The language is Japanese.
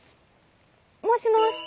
もしもし。